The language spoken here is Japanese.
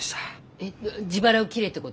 えっ自腹を切れってこと？